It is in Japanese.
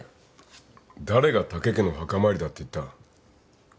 誰が武家の墓参りだって言った。